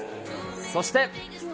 そして。